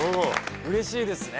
うれしいですね。